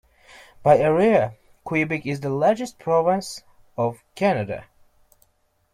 By area, Quebec is the largest province of Canada.